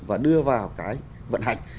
và đưa vào cái vận hành